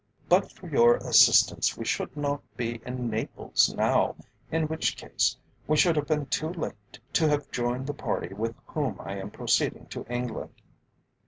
But for your assistance we should not be in Naples now, in which case we should have been too late to have joined the party with whom I am proceeding to England."